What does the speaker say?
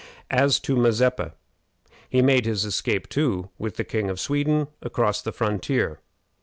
As to Mazeppa, he made his escape too, with the King of Sweden, across the frontier.